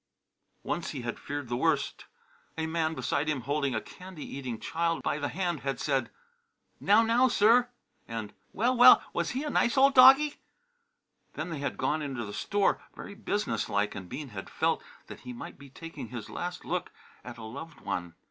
Once he had feared the worst. A man beside him holding a candy eating child by the hand had said, "Now, now, sir!" and, "Well, well, was he a nice old doggie!" Then they had gone into the store, very businesslike, and Bean had felt that he might be taking his last look at a loved one.